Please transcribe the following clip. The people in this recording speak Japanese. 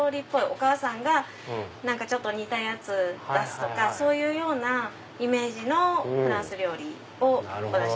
お母さんがちょっと煮たやつ出すとかそういうようなイメージのフランス料理をお出ししてます。